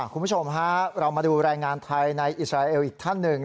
คุณผู้ชมฮะเรามาดูแรงงานไทยในอิสราเอลอีกท่านหนึ่ง